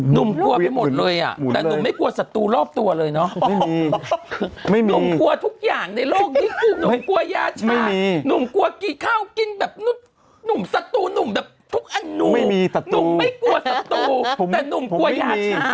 หนูมกลัวไปหมดเลยอะหนูมไม่กลัวสัตวุรอบตัวเลยเนอะ